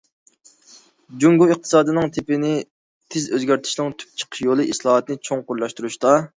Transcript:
جۇڭگو ئىقتىسادىنىڭ تىپىنى تېز ئۆزگەرتىشنىڭ تۈپ چىقىش يولى ئىسلاھاتنى چوڭقۇرلاشتۇرۇشتا.